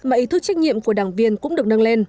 mà ý thức trách nhiệm của đảng viên cũng được nâng lên